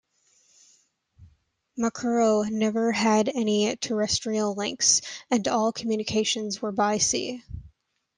Macuro never had any terrestrial links, and all communications were by sea.